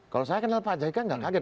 kalau saya kenal pak jk nggak kaget